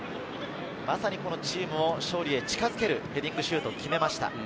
まさにこのチームを勝利へ近づけるヘディングシュートを決めました。